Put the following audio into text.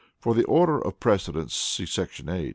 [For the order of precedence, see § 8.